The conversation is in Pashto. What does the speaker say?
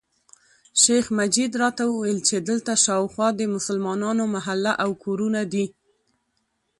شیخ مجید راته وویل چې دلته شاوخوا د مسلمانانو محله او کورونه دي.